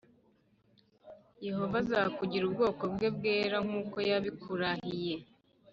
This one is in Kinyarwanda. Yehova azakugira ubwoko bwe bwera nk’uko yabikurahiye